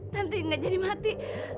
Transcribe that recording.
tante nggak jadi mati